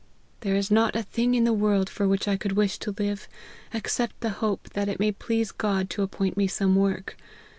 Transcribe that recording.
There is not a thing in the world for which I could wish to live, except the hope that it may please God to appoint me some work.